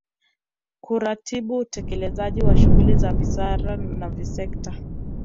kuratibu utekelezaji wa shughuli za wizara za kisekta